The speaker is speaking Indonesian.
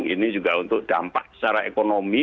ini juga untuk dampak secara ekonomi